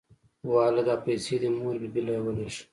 واله دا پيسې دې مور بي بي له ولېږه.